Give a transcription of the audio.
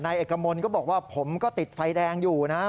เอกมลก็บอกว่าผมก็ติดไฟแดงอยู่นะ